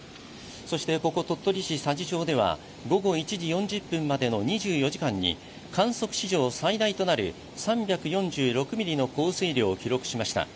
そしてここ鳥取市佐治町では午後１時４０分までの２４時間に、観測史上最大となる３４６ミリとなる降水量を記録しました。